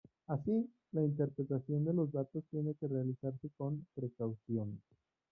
Así, la interpretación de los datos tiene que realizarse con precaución.